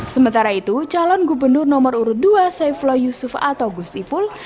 sementara itu calon gubernur nomor urut dua saifullah yusuf atau gus ipul